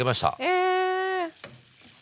え！